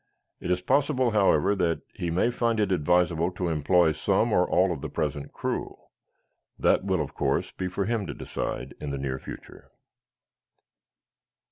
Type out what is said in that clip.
It is possible, however, that he may find it advisable to employ some or all of the present crew. That will, of course, be for him to decide in the near future."